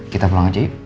kita pulang aja yuk